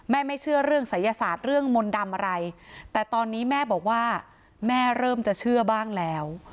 ไม่เชื่อเรื่องศัยศาสตร์เรื่องมนต์ดำอะไรแต่ตอนนี้แม่บอกว่าแม่เริ่มจะเชื่อบ้างแล้ว